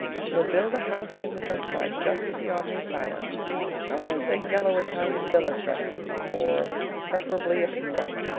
We'll build a house on the hillside just beyond the asylum how does a yellow Italian villa strike you, or preferably a pink one?